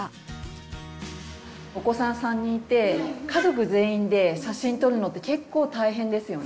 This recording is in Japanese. お子さん３人いて家族全員で写真撮るのって結構大変ですよね。